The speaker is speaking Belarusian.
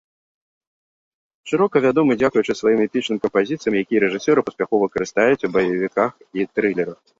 Шырока вядомы дзякуючы сваім эпічным кампазіцыям, якія рэжысёры паспяхова карыстаюць у баевіках і трылерах.